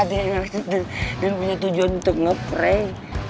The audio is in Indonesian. gak ada yang berhasil dan punya tujuan untuk ngeprank